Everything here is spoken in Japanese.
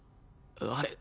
あれ？